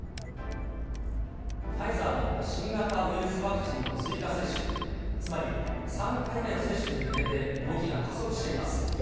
ファイザーの新型ウイルスワクチンの追加接種、つまり３回目の接種に向けて動きが加速しています。